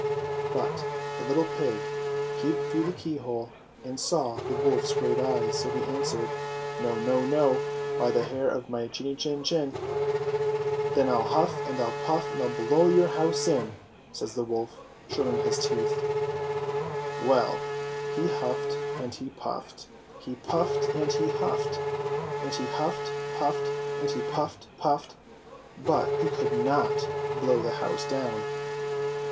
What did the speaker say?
But the little pig peeped through the keyhole and saw the wolf's great eyes, so he answered : No! No! No! by the hair of my chinny chin chin! THE THREE LITTLE PIGS 175 " Then Vll huf and Vll puff and Vll blow your house in I'' says the wolf, showing his teeth. Well ! He huffed and he puffed. He puffed and he huffed. And he huffed, huffed, and he puffed, puffed ; but he could not blow the house down.